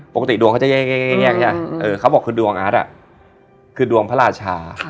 ปกติดวงเขาจะแยกเขาบอกคือดวงอาร์ตคือดวงพระราชา